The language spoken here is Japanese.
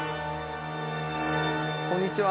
こんにちは。